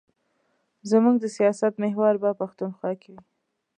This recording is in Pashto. زموږ د سیاست محور به پښتونخوا وي.